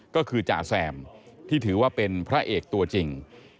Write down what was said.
ก็คือจ่าแซมที่ถือว่าเป็นพระเอกตัวจริง